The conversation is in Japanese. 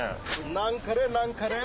ナンカレーナンカレー。